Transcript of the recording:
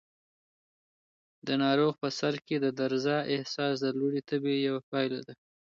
د ناروغ په سر کې د درزا احساس د لوړې تبې یوه پایله ده.